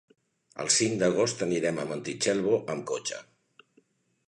El cinc d'agost anirem a Montitxelvo amb cotxe.